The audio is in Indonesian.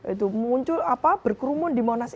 itu muncul apa berkerumun di monas